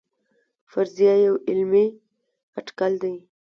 فرضیه یو علمي اټکل دی